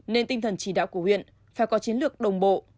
nên tinh thần chỉ đạo của huyện phải có chiến lược đồng bộ